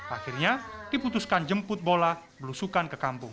akhirnya diputuskan jemput bola belusukan ke kampung